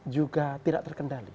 juga tidak terkendali